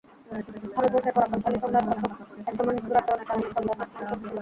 ভারতবর্ষের পরাক্রমশালী সম্রাট অশোক একসময় নিষ্ঠুর আচরণের কারণে চণ্ডাশোক নামে পরিচিতি লাভ করে।